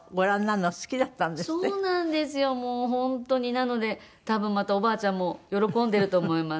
なので多分またおばあちゃんも喜んでると思います。